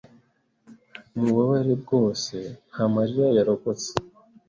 Mububabare bwose nta marira yarokotse